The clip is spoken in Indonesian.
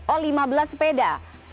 oh lima belas sepeda